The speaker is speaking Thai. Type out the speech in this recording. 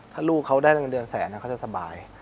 ถ้าลูกเขาได้เงินเดือนแสนเขาจะสบาย